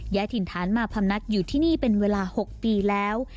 ถิ่นฐานมาพำนักอยู่ที่นี่เป็นเวลา๖ปีแล้ว